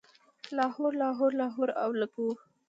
لاهور، لاهور، لاهور اولګوو